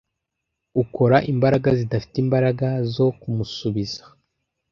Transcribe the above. ukora imbaraga zidafite imbaraga zo kumusubiza